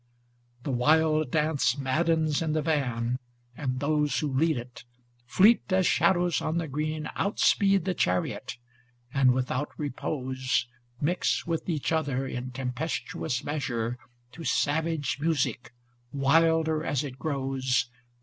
The wild dance maddens in the van; and those Who lead it, fleet as shadows on the green, Outspeed the chariot, and without repose Mix with each other in tempestuous mea sure 141 To savage music, wilder as it grows.